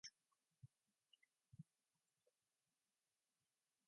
Its headquarters are located in the capital city of Bucharest.